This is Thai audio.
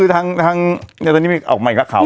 ทางออกไปอีกรักข่าว